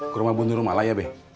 ke rumah bunda rumalaya be